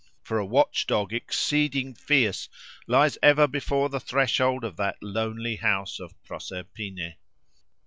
For a watch dog exceeding fierce lies ever before the threshold of that lonely house of Proserpine.